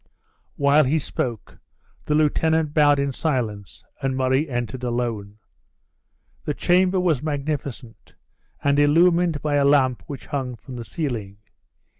While he spoke, the lieutenant bowed in silence, and Murray entered alone. The chamber was magnificent, and illumined by a lamp which hung from the ceiling.